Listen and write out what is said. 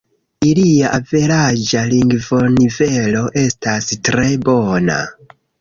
Ilia averaĝa lingvonivelo estas tre bona.